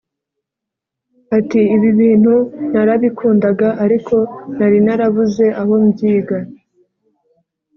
Ati “Ibi bintu narabikundaga ariko nari narabuze aho mbyiga